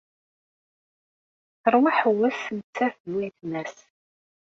Teṛwa aḥewwes nettat d wayetma-s.